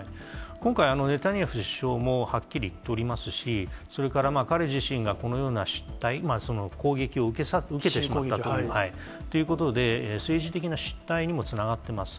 今回、ネタニヤフ首相もはっきり言っておりますし、それから彼自身がこのような失態、攻撃を受けてしまったということで、政治的な失態にもつながってます。